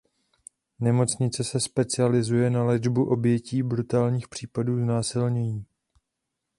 Nemocnice se specializuje na léčbu obětí brutálních případů znásilnění.